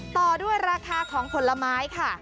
ต่อด้วยราคาของผลไม้ค่ะ